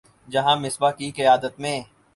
جہاں مصباح کی قیادت میں